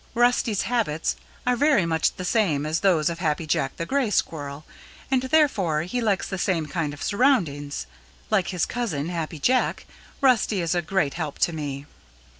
Rusty's habits are very much the same as those of Happy Jack the Gray Squirrel, and therefore he likes the same kind of surroundings. Like his cousin, Happy Jack, Rusty is a great help to me."